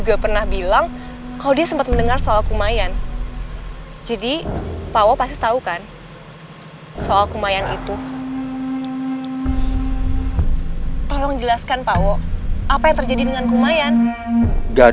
tapi aku mampu mendeteksinya